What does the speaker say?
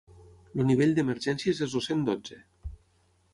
El nivell d'emergències és el cent dotze.